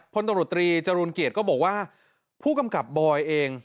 พลตำรวจตรีจรูลเกียรติก็บอกว่าผู้กำกับบอยเอง